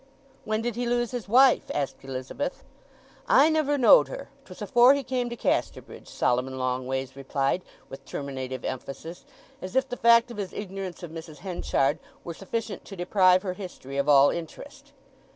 "When did he lose his wife?" asked Elizabeth. "I never knowed her. 'Twas afore he came to Casterbridge," Solomon Longways replied with terminative emphasis, as if the fact of his ignorance of Mrs. Henchard were sufficient to deprive her history of all interest.